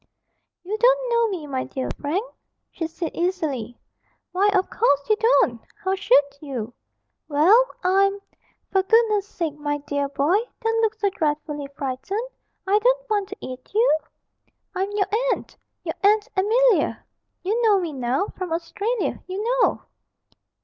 'You don't know me, my dear Frank,' she said easily; 'why of course you don't; how should you? Well, I'm (for goodness sake, my dear boy, don't look so dreadfully frightened, I don't want to eat you!) I'm your aunt your Aunt Amelia, you know me now from Australia, you know!'